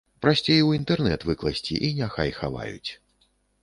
Прасцей у інтэрнэт выкласці, і няхай хаваюць!